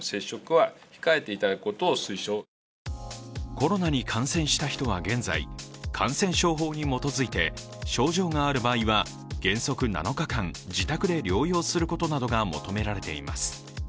コロナに感染した人は現在、感染症法に基づいて症状がある場合は原則７日間自宅で療養することなどが求められています。